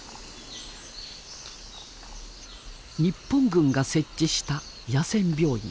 日本軍が設置した野戦病院。